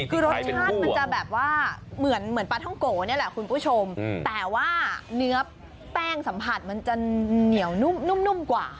คือรสชาติมันจะแบบว่าเหมือนปลาท่องโกนี่แหละคุณผู้ชมแต่ว่าเนื้อแป้งสัมผัสมันจะเหนียวนุ่มนุ่มกว่า